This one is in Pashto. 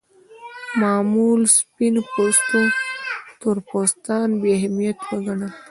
معمول سپین پوستو تور پوستان بې اهمیت وګڼل.